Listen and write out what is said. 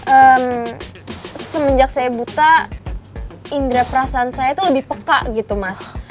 ehm semenjak saya buta indera perasaan saya itu lebih peka gitu mas